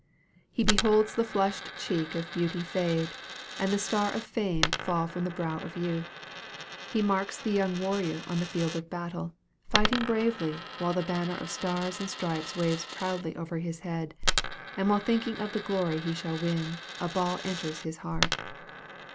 He beholds the flushed cheek of beauty fade, and the star of fame fall from the brow of youth. He marks the young warrior on the field of battle, fighting bravely, while the banner of stars and stripes waves proudly over his head; and while thinking of the glory he shall win, a ball enters his heart.